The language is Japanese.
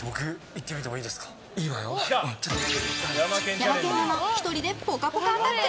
ヤマケンアナ１人でぽかぽかアタック！